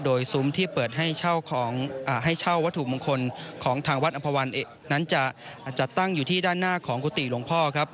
โดยซุ้มที่เปิดให้เช่าวัตถุมงคลของทางวัดอำภาวันนั้นจะตั้งอยู่ที่ด้านหน้าของกุฏิหลวงพ่อครับ